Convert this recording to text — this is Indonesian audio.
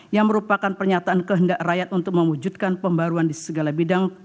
yang merupakan pernyataan kehendak rakyat untuk mewujudkan pembaruan di segala bidang